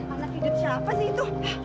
anak hidup siapa sih itu